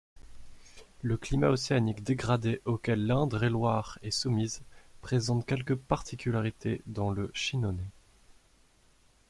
Le climat océanique dégradé auquel l'Indre-et-Loire est soumise présente quelques particularités dans le Chinonais.